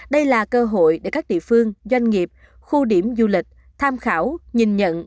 đây là cơ hội để các địa phương doanh nghiệp khu điểm du lịch tham khảo nhìn nhận